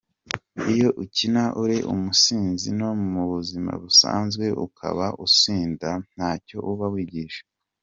Iyo ukina uri umusinzi no mu buzima busanzwe ukaba usinda ntacyo uba wigisha.